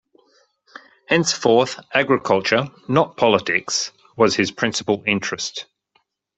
Henceforth agriculture, not politics, was his principal interest.